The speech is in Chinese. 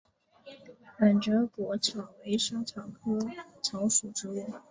反折果薹草为莎草科薹草属的植物。